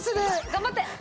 頑張って。